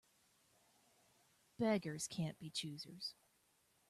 Beggars can't be choosers.